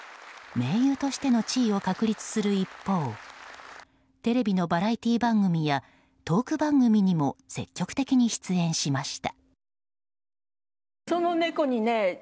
名優としての地位を確立する一方テレビのバラエティー番組やトーク番組にも積極的に出演しました。